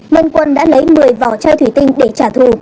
nên quân đã lấy một mươi vỏ chai thủy tinh để trả thù